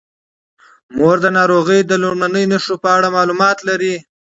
مور د ناروغۍ د لومړنیو نښو په اړه معلومات لري.